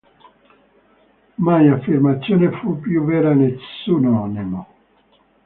Mai affermazione fu più vera... nessuno... nemo...